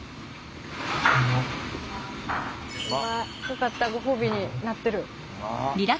よかったご褒美になってる。